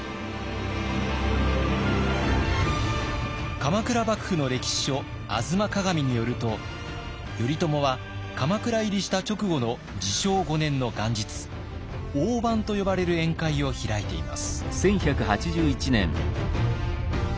鎌倉幕府の歴史書「吾妻鏡」によると頼朝は鎌倉入りした直後の治承５年の元日飯と呼ばれる宴会を開いています。